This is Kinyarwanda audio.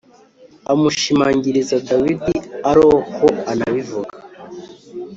amushimagiriza Dawidi aroko anabivuga